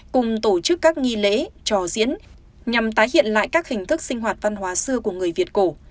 cùng tổ chức các nghi lễ trò diễn nhằm tái hiện lại các hình thức sinh hoạt văn hóa xưa của người việt cổ